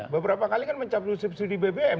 beberapa kali kan mencabut subsidi bbm